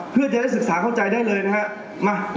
เพื่อจะได้ศึกษาเข้าใจได้เลยนะฮะ